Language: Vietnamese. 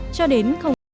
cho đến hai mươi năm